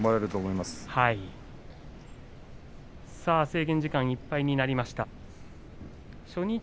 制限時間がいっぱいになりました、